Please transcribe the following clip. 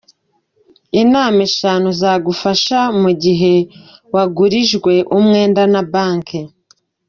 Inama eshanu zagufasha mu gihe wugurijwe n’imyenda ya banki